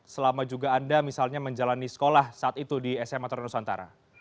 selama juga anda misalnya menjalani sekolah saat itu di sma tarunan nusantara